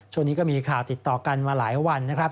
ช่วงนี้ก็มีข่าวติดต่อกันมาหลายวันนะครับ